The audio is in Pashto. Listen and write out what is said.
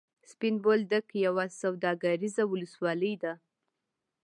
سپین بولدک یوه سوداګریزه ولسوالي ده.